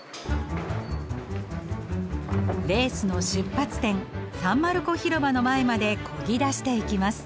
レースの出発点サン・マルコ広場の前まで漕ぎ出していきます。